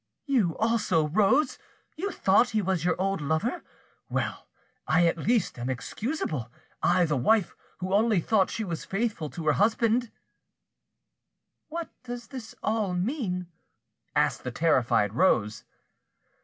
You also, Rose, you thought he was your old lover! Well, I at least am excusable, I the wife, who only thought she was faithful to her husband!" "What does it all mean?" asked the terrified Rose.